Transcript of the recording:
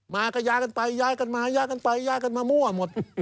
มาก็ย้ายกันไปย้ายกันมาย้ายกันไปย้ายกันมามั่วหมด